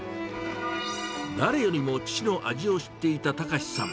誰よりも父の味を知っていた崇さん。